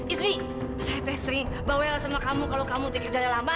ismi saya t sering bawa dia ke sana sama kamu kalau kamu kerjanya lama